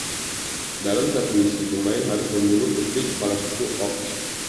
Dalam satu misi, pemain harus membunuh putri kepala suku Orc.